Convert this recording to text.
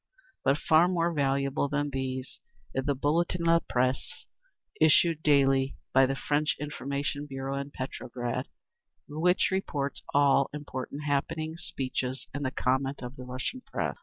_ But far more valuable than these is the Bulletin de la Presse issued daily by the French Information Bureau in Petrograd, which reports all important happenings, speeches and the comment of the Russian press.